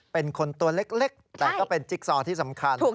เป็นคนตัวเล็กแต่ก็เป็นจิ๊กซอที่สำคัญ